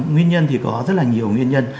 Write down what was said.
nguyên nhân thì có rất là nhiều nguyên nhân